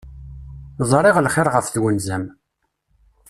Ẓriɣ lxir ɣef twenza-m.